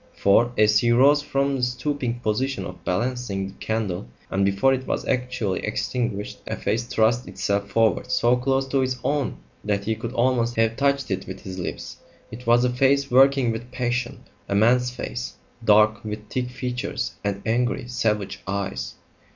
For, as he rose from the stooping position of balancing the candle, and before it was actually extinguished, a face thrust itself forward so close to his own that he could almost have touched it with his lips. It was a face working with passion; a man's face, dark, with thick features, and angry, savage eyes.